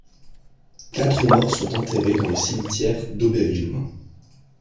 Quatre morts sont enterrés dans le cimetière d'Oberilm.